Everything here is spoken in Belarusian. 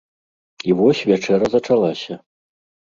І вось вячэра зачалася!